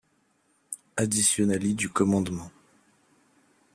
Additionally du commandement.